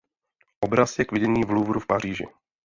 Obraz je k vidění v Louvru v Paříži.